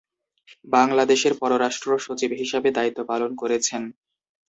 বাংলাদেশের পররাষ্ট্র সচিব হিসাবে দায়িত্ব পালন করেছেন।